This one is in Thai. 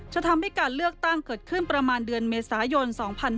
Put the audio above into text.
จะทำให้การเลือกตั้งเกิดขึ้นประมาณเดือนเมษายน๒๕๕๙